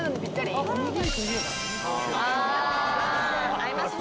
合いますね。